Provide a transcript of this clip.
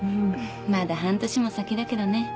まだ半年も先だけどね。